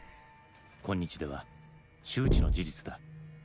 今日では周知の事実だ。